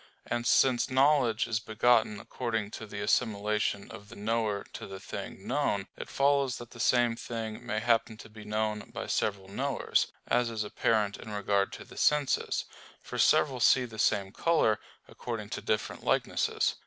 And since knowledge is begotten according to the assimilation of the knower to the thing known, it follows that the same thing may happen to be known by several knowers; as is apparent in regard to the senses; for several see the same color, according to different likenesses.